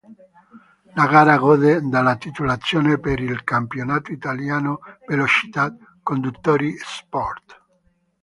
La gara gode della titolazione per il "Campionato Italiano Velocità Conduttori Sport".